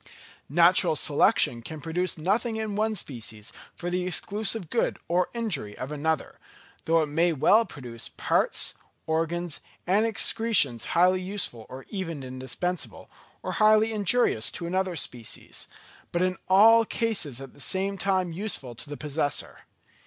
Natural selection can produce nothing in one species for the exclusive good or injury of another; though it may well produce parts, organs, and excretions highly useful or even indispensable, or highly injurious to another species, but in all cases at the same time useful to the possessor.